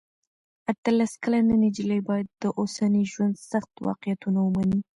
اتلس کلنه نجلۍ باید د اوسني ژوند سخت واقعیتونه ومني.